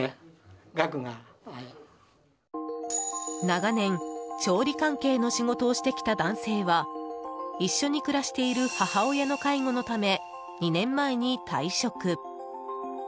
長年調理関係の仕事をしてきた男性は一緒に暮らしている母親の介護のため２年前に退職。